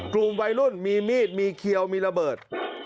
กลุ่มวัยรุ่นมีมีดมีเขียวมีระเบิด